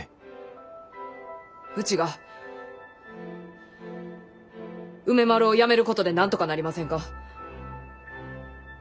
ウチが梅丸をやめることでなんとかなりませんか。